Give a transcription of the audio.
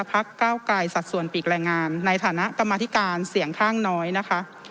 พักเก้าไกลสัดส่วนปีกแรงงานในฐานะกรรมธิการเสียงข้างน้อยนะคะ